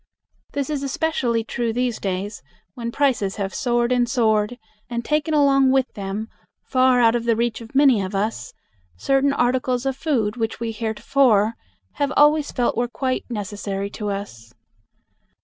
This is especially true these days, when prices have soared and soared and taken along with them, far out of the reach of many of us, certain articles of food which we heretofore have always felt were quite necessary to us.